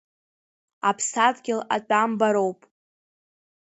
Аԥсадгьыл атәамбароуп.